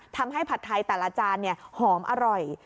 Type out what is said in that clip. ผัดไทยแต่ละจานหอมอร่อย